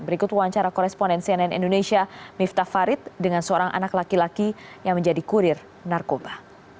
berikut wawancara koresponen cnn indonesia miftah farid dengan seorang anak laki laki yang menjadi kurir narkoba